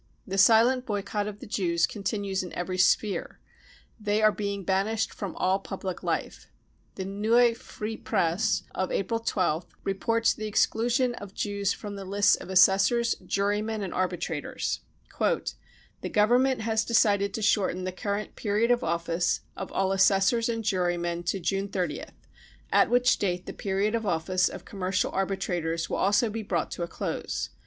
The silent boycott of the Jews continues in every sphere ; they are being banished from all public life. The JVeue Freie Presse of April 1 2 th reports the exclusion of Jews from the lists of assessors, jurymen and arbitrators :" The Government has decided to shorten the current period of office of all assessors and jurymen to June 30th, at which date the period of office of com mercial arbitrators will also be brought to a close.